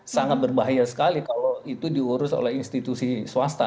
sangat berbahaya sekali kalau itu diurus oleh institusi swasta